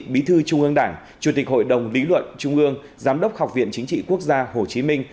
bí thư trung ương đảng chủ tịch hội đồng lý luận trung ương giám đốc học viện chính trị quốc gia hồ chí minh